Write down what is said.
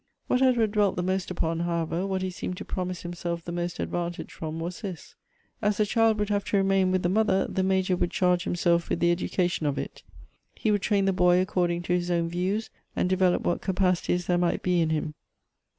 "What Edward dwelt the most upon, however, what he seemed to promise himself the most advantage from was this :— as the child would have to remain with the mother, the Major would charge himself with the educa tion of it; he would train the boy according to his own views, and develop what capacities there might be in him.